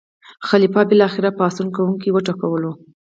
خلیفه بالاخره پاڅون کوونکي وټکول.